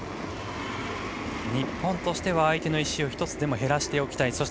日本としては相手の石を１つでも減らしておきたい。